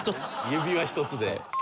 指輪１つで。